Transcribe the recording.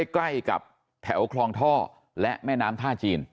ใกล้กับแถวคลองท่อและแม่น้ำท่าจีน